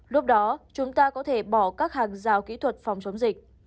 lúc đó chúng ta có thể bỏ các hàng rào kỹ thuật phòng chống dịch